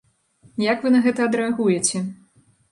Як вы на гэта адрэагуеце?